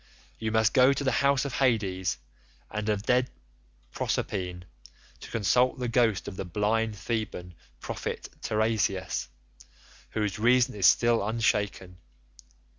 You must go to the house of Hades and of dread Proserpine to consult the ghost of the blind Theban prophet Teiresias, whose reason is still unshaken.